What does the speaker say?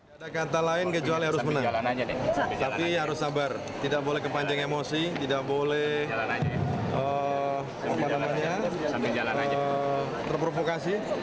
ada kata lain kecuali harus menang tapi harus sabar tidak boleh kepanjang emosi tidak boleh terprovokasi